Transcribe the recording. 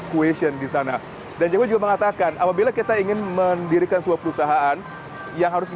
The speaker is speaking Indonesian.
question di sana dan jokowi juga mengatakan apabila kita ingin mendirikan sebuah perusahaan yang harus